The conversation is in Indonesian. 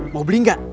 mau beli gak